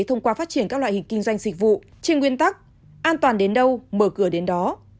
thông qua phát triển các loại hình kinh doanh dịch vụ trên nguyên tắc an toàn đến đâu mở cửa đến đó